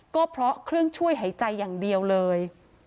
ก็เพราะเครื่องช่วยหายใจอย่างเดียวเลย